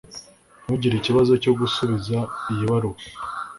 ntugire ikibazo cyo gusubiza iyi baruwa